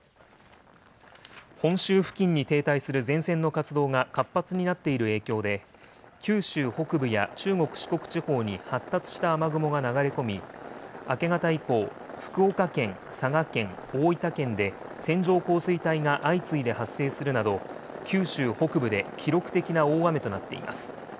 本州付近に停滞する前線の活動が活発になっている影響で、九州北部や中国、四国地方に発達した雨雲が流れ込み、明け方以降、福岡県、佐賀県、大分県で線状降水帯が相次いで発生するなど、九州北部で記録的な大雨となっています。